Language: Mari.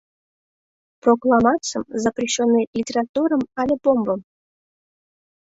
Прокламатсым, запрещённый литературым але бомбым?